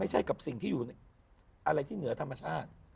ไม่ใช่กับสิ่งที่อยู่ในอะไรที่เหนือธรรมชาติ